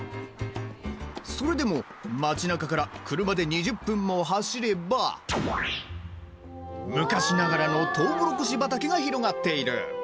それでも街なかから車で２０分も走れば昔ながらのとうもろこし畑が広がっている。